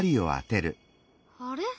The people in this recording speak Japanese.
あれ？